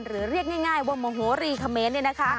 หรือเรียกง่ายว่ามโหรีคาเมน